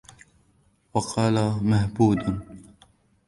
وَقَالَ مَهْبُودٌ